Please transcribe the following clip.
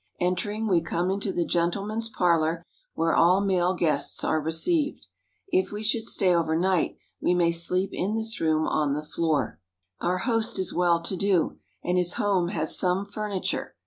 Entering, we come into the gentleman's parlor, where all male guests are received. If we should stay overnight, we may sleep in this room on the floor. Our host is well to do, and his home has some furniture.